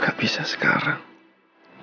gak bisa sekarang